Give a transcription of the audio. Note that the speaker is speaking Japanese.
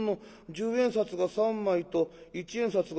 十円札が３枚と一円札が２枚？